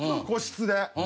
個室で。